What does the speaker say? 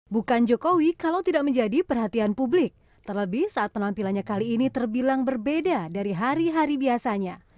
bukan jokowi kalau tidak menjadi perhatian publik terlebih saat penampilannya kali ini terbilang berbeda dari hari hari biasanya